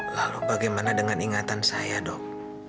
lalu bagaimana dengan ingatan saya dok